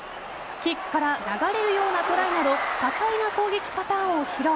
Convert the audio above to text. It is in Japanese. キックから流れるようなトライなど多彩な攻撃パターンを披露。